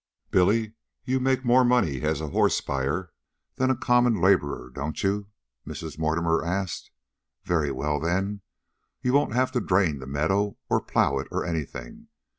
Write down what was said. "Billy, you make more money as a horse buyer than a common laborer, don't you?" Mrs. Mortimer asked. "Very well, then. You won't have to drain the meadow, or plow it, or anything.